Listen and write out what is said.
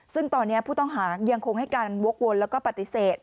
ซึ่งตอนนี้ผู้ต้องหายังคงให้การวกวนแล้วก็ปฏิเสธ